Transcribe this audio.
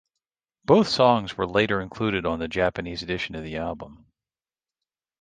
Both songs were later included on the Japanese edition of the album.